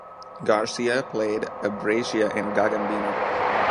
Garcia played Abresia in "Gagambino".